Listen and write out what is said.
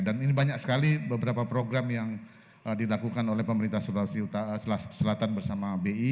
dan ini banyak sekali beberapa program yang dilakukan oleh pemerintah sulawesi selatan bersama bi